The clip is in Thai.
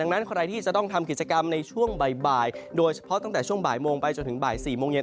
นั้นใครที่จะต้องทำกิจกรรมในช่วงบ่ายโดยเฉพาะตั้งแต่ช่วงบ่ายโมงไปจนถึงบ่าย๔โมงเย็น